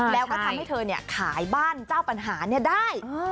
แล้วก็ทำให้เธอขายบ้านเจ้าปัญหาได้